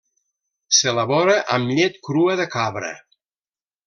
S'elabora amb llet crua de cabra.